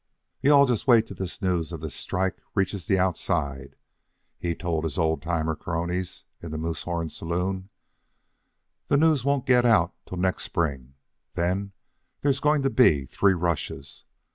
"You all just wait till the news of this strike reaches the Outside," he told his old timer cronies in the Moosehorn Saloon. "The news won't get out till next spring. Then there's going to be three rushes.